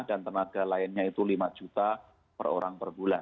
dan tenaga lainnya itu rp lima juta per orang per bulan